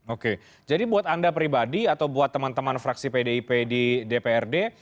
oke jadi buat anda pribadi atau buat teman teman fraksi pdip di dprd